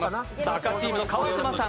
赤チームの川島さん。